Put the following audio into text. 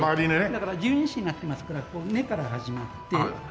だから十二支になってますから子から始まって子丑。